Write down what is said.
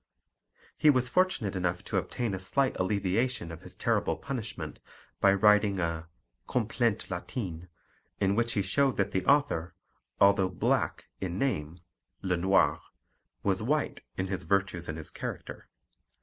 He was fortunate enough to obtain a slight alleviation of his terrible punishment by writing a Complainte latine, in which he showed that the author, although black in name (le noir), was white in his virtues and his character.